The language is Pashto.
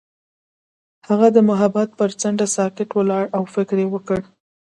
هغه د محبت پر څنډه ساکت ولاړ او فکر وکړ.